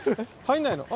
入んないの？